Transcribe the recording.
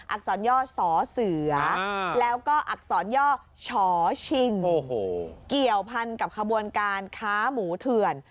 อักษรย่อสอเสือแล้วก็อักษรย่อชอชิงเกี่ยวพันกับขบวนการค้าหมูเถื่อน